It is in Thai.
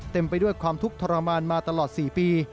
ไปด้วยความทุกข์ทรมานมาตลอด๔ปี